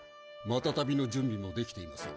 マタタビの準備もできています。